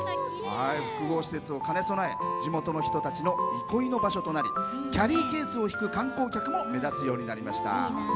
複合施設も兼ね備え地元の人たちの憩いの場になりキャリーケースを引く観光客も目立つようになりました。